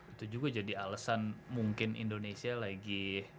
itu juga jadi alasan mungkin indonesia lagi